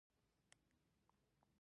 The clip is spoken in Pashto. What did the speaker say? يره ليلما بې وخته بې وخته منګلي ته راځي.